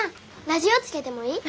ラジオつけてもいい？